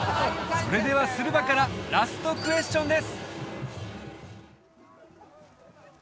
それではスルヴァからラストクエスチョンです！